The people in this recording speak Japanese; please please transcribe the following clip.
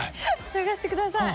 探してください。